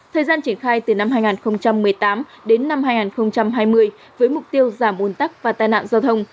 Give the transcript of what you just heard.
thời gian triển khai từ năm hai nghìn một mươi tám đến năm hai nghìn hai mươi với mục tiêu giảm ồn tắc và tai nạn giao thông